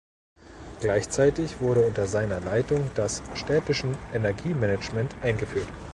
Gleichzeitig wurde unter seiner Leitung das "Städtischen Energiemanagement" eingeführt.